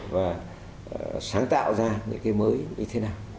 và sáng tạo ra những cái mới như thế nào